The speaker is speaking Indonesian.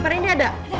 pak randy ada